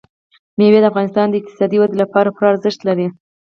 مېوې د افغانستان د اقتصادي ودې لپاره پوره ارزښت لري.